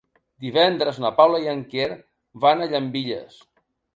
Divendres na Paula i en Quer van a Llambilles.